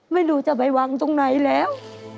ไม่รู้จะไปวางตรงไหนแล้ว